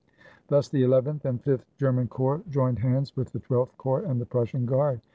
Thus the Eleventh and Fifth German Corps joined hands with the Twelfth Corps and the Prussian Guard.